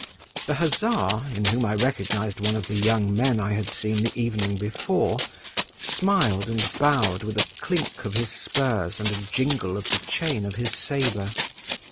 The hussar, in whom I recognised one of the young men I had seen the evening before, smiled and bowed with a clink of his spurs and a jingle of the chain of his sabre.